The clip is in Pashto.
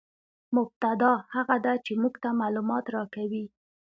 مبتداء هغه ده، چي موږ ته معلومات راکوي.